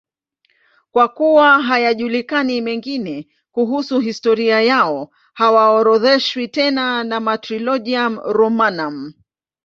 Kwa kuwa hayajulikani mengine kuhusu historia yao, hawaorodheshwi tena na Martyrologium Romanum.